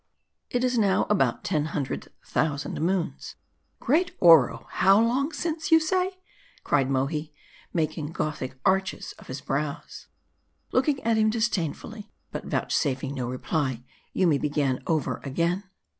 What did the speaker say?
"It is now about ten hundred thousand moons " 324 MAUD I. " Great Oro ! How long since, say you ?" cried Mohi, making Gothic arches of his brows. Looking at him disdainfully, but vouchsafing no reply, Yoomy began over again.